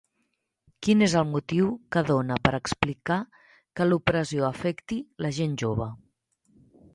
Quin és el motiu que dona per explicar que l'opressió afecti la gent jove?